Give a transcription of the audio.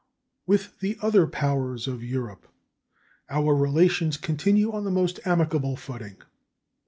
With the other powers of Europe our relations continue on the most amicable footing.